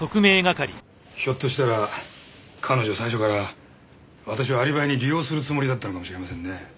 ひょっとしたら彼女最初から私をアリバイに利用するつもりだったのかもしれませんね。